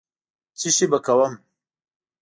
څشي به کوم.